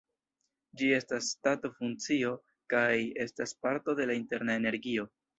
Ĝi estas stato-funkcio kaj estas parto de la interna energio.